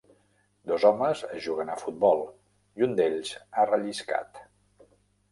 Dos homes juguen a futbol, i un d'ells ha relliscat.